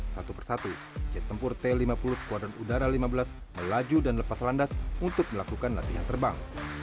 satu persatu jet tempur t lima puluh squadron udara lima belas melaju dan lepas landas untuk melakukan latihan terbang